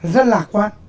rất lạc quan